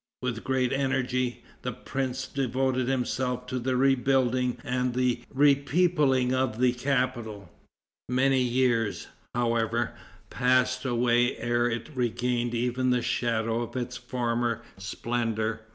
With great energy, the prince devoted himself to the rebuilding and the repeopling of the capital; many years, however, passed away ere it regained even the shadow of its former splendor.